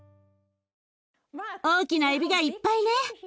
大きなえびがいっぱいね。